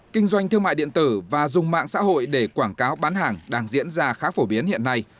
kinh doanh thương mại điện tử và dùng mạng xã hội để quảng cáo bán hàng đang diễn ra khá phổ biến hiện nay